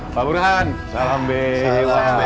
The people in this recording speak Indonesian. pak burhan salam bewa